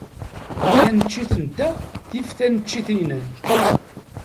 Taneččit-nteɣ tif taneččit-inan.